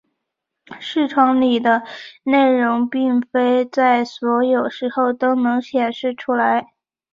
视窗里的内容并非在所有时候都能显示出来。